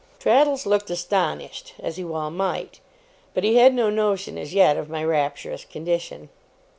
Traddles looked astonished, as he well might; but he had no notion as yet of my rapturous condition.